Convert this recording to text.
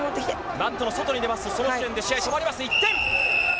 マットの外に出ますとその時点で試合止まります。